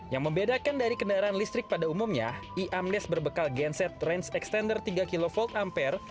yang membedakan dari kendaraan listrik pada umumnya e amnes berbekal genset range extender tiga kv ampere